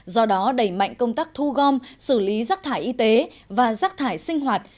do đó đẩy mạnh công tác thu gom xử lý rác thải y tế và rác thải sinh hoạt